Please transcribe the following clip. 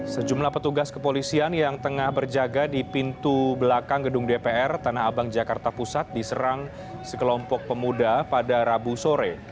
sejumlah petugas kepolisian yang tengah berjaga di pintu belakang gedung dpr tanah abang jakarta pusat diserang sekelompok pemuda pada rabu sore